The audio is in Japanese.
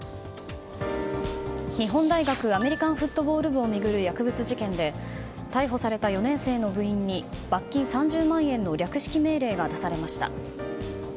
日本大学アメリカンフットボール部を巡る薬物事件で逮捕された４年生の部員に罰金３０万円の略式命令が出されました。